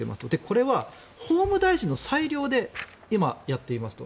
これは法務大臣の裁量で今、やっていますと。